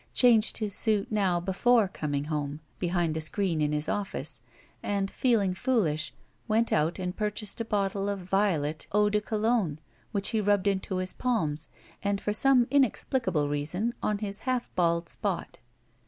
Changed his suit now before coming home, behind a screen in his office, and, feeling fooUsh, went out and purchased a bottle of violet eau de Cologne, which he rubbed into his palms and for some inex pKcable reason on his half bald spot.